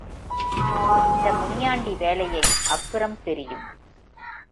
இந்த முனியாண்டி வேலையை அப்புறம் தெரியும்.